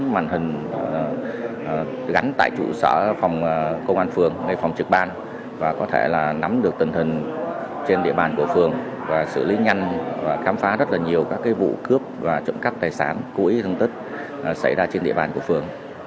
bốn màn hình gánh tại trụ sở